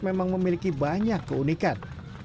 memang memiliki banyak keunikan